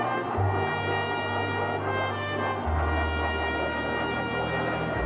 โรงพยาบาลวิทยาศาสตรี